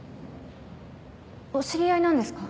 お知り合いなんですか？